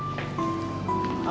saya cari gantinya ya